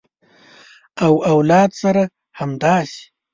او اولاد سره همداسې